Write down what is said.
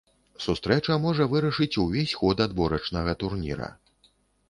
Сустрэча можа вырашыць увесь ход адборачнага турніра.